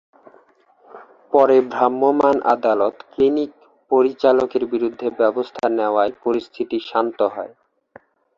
পরে ভ্রাম্যমাণ আদালত ক্লিনিক পরিচালকের বিরুদ্ধে ব্যবস্থা নেওয়ায় পরিস্থিতি শান্ত হয়।